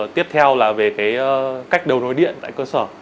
tiếp theo là về cách đấu nối điện tại cơ sở